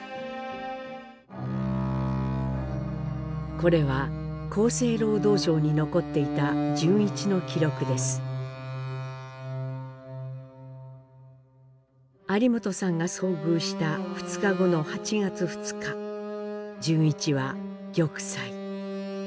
これは厚生労働省に残っていた潤一の記録です有元さんが遭遇した２日後の８月２日潤一は玉砕。